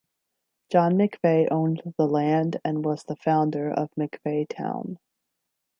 John McVey owned the land and was the founder of McVeytown.